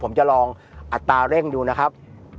ผมจะลองอัตราเร่งดูนะครับ